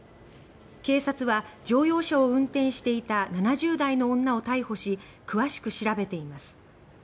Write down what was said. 警察は乗用車を運転していた７０代の女を逮捕し詳しく調べています。